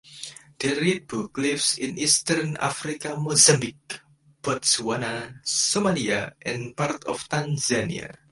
The reedbuck lives in eastern Africa Mozambique, Botswana, Somalia and part of Tanzania.